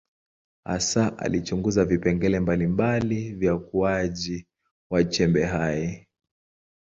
Hasa alichunguza vipengele mbalimbali vya ukuaji wa chembe hai.